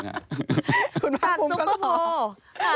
คุณพักปุ้มก็หรอคุณพักปุ้มก็หรอคุณพักปุ้มก็หรอ